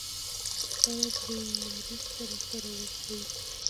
خير دی! مرسته راسره وکړئ!